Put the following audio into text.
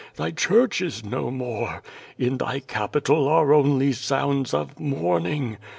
Thy Church is no more. In Thy capital are only sounds of mourning.